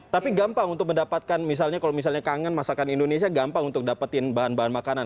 tapi gampang untuk mendapatkan misalnya kalau misalnya kangen masakan indonesia gampang untuk dapetin bahan bahan makanan